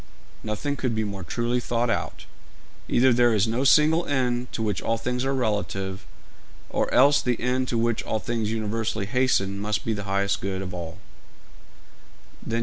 'Nothing could be more truly thought out. Either there is no single end to which all things are relative, or else the end to which all things universally hasten must be the highest good of all.'